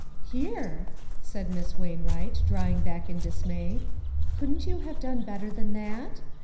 " Here !" said Miss Wainwright, drawing back in dismay; "couldn't you have done better than that?"